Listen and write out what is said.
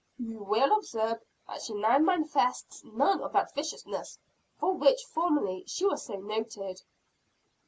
You will observe that she now manifests none of that viciousness for which formerly she was so noted."